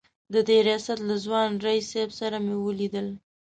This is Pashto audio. د دې ریاست له ځوان رییس صیب سره مې ولیدل.